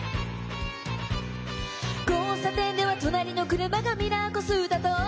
「交差点では隣の車がミラーこすったと」